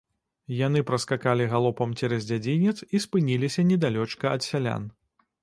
Яны праскакалі галопам цераз дзядзінец і спыніліся недалёчка ад сялян.